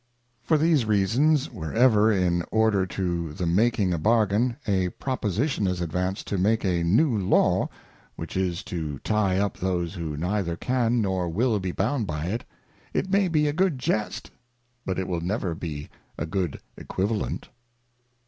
For these Reasons, where ever in order to the making a Bargain, a Proposition is advanc'd to make a new Law, which is 122 The Anatomy of an Equivalent. to tye lip those who neither can nor will be bound by it, it may be a good Jest, but it will never be a good Equivalent.